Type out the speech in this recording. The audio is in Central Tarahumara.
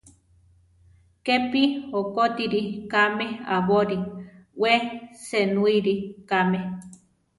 Kepi okótiri kame aborí, we senúiri kame.